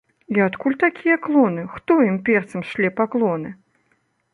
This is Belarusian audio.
І адкуль такія клоны, хто імперцам шле паклоны?